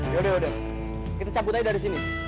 yaudah udah kita cabut aja dari sini